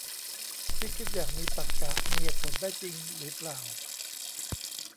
ที่คิดอย่างมีตรรกะ มีเหตุผลได้จริงหรือเปล่า